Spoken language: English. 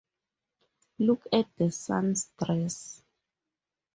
Look at the son's dress!